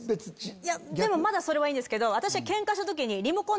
でもまだそれはいいんですけど私はケンカした時に。